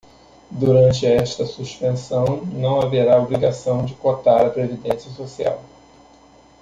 Durante esta suspensão, não haverá obrigação de cotar a previdência social.